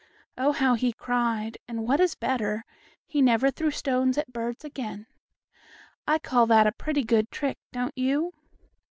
Oh, how he cried, and, what is better, he never threw stones at birds again. I call that a pretty good trick, don't you?